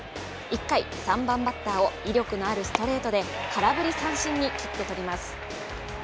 １回、３番バッターを威力のあるストレートで空振り三振に切ってとります。